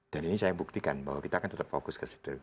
dan ini saya buktikan bahwa kita akan tetap fokus ke situ